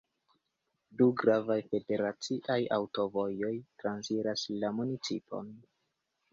Du gravaj federaciaj aŭtovojoj transiras la municipon.